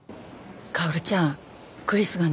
薫ちゃんクリスがね。